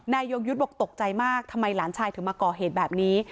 ยงยุทธ์บอกตกใจมากทำไมหลานชายถึงมาก่อเหตุแบบนี้